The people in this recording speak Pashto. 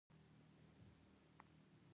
چې د اکبر جان مور بهر وتلې وه.